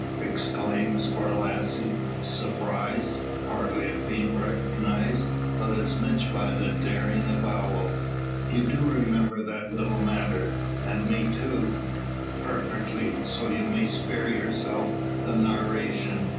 exclaims Borlasse, surprised, partly at being recognised, but as much by the daring avowal. "You do remember that little matter? And me too?" "Perfectly; so you may spare yourself the narration.